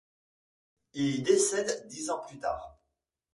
Il y décède dix ans plus tard.